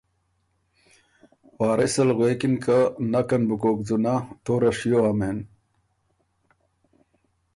وارث ال غوېکِن که ”نکن بُو کوک ځُونۀ، توره شیو هۀ مېن“